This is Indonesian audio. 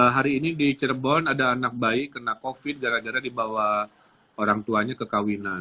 hari ini di cirebon ada anak bayi kena covid gara gara dibawa orang tuanya ke kawinan